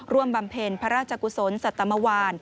ร่วมบำเพ็ญพระราชกุศลสตมวา